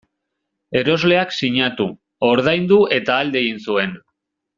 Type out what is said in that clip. Erosleak sinatu, ordaindu eta alde egin zuen.